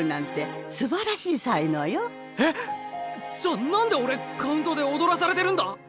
じゃあなんで俺カウントで踊らされてるんだ？